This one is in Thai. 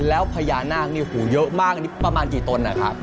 แล้วพญานาคนี่หูเยอะมากนี่ประมาณกี่ตนนะครับ